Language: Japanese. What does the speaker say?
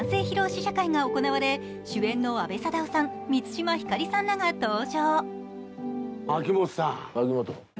試写会が行われ主演の阿部サダヲさん、満島ひかりさんらが登場。